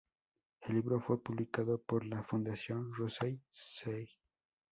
El libro fue publicado por la Fundación Russell Sage.